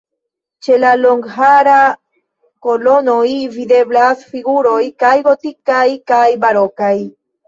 Ĉe la longhala kolonoj videblas figuroj kaj gotikaj kaj barokaj.